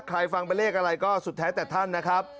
ฟังเป็นเลขอะไรก็สุดแท้แต่ท่านนะครับ